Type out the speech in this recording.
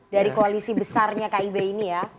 dari koalisi besarnya kib ini ya